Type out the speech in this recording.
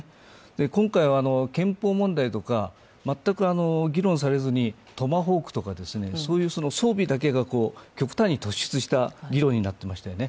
今回は憲法問題とか全く議論されずに、トマホークとか、そういう装備だけが極端に突出した議論になっていましたよね。